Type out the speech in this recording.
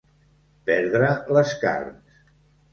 Perdre les carns.